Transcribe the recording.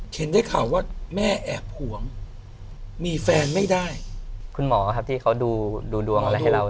เห็นได้ข่าวว่าแม่แอบห่วงมีแฟนไม่ได้คุณหมอครับที่เขาดูดวงอะไรให้เรา